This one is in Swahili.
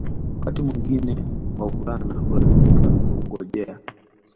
Wakati mwingine wavulana hulazimika kungojea